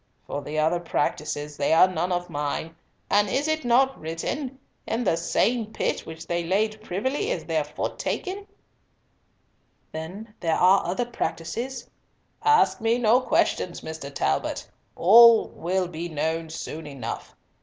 For the other practices, they are none of mine, and is it not written 'In the same pit which they laid privily is their foot taken'?" "Then there are other practices?" "Ask me no questions, Mr. Talbot. All will be known soon enough.